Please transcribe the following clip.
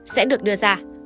sẽ được đưa ra